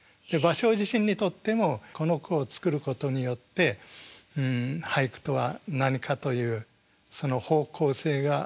芭蕉自身にとってもこの句を作ることによって俳句とは何かというその方向性が定まったといいましょうか。